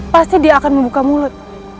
pasti dia akan membuka mulut